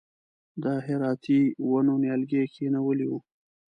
د هراتي ونو نیالګي یې کښېنولي و.